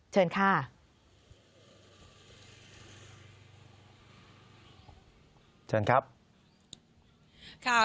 เชิญครับ